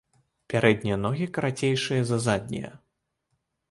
Пярэднія ногі карацейшыя за заднія.